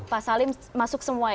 pak salim masuk semua ya